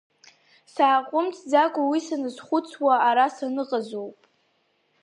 Сааҟәымҵӡакәа уи саназхәыцуаз арра саныҟазоуп.